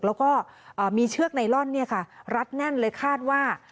แล้วก็มีเชือกไนลอนรัดแน่นเลยคาดว่า